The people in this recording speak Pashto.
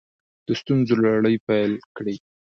د ستنولو لړۍ پیل کړې